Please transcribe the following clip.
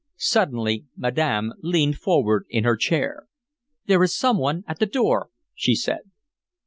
Suddenly madam leaned forward in her chair. "There is some one at the door," she said.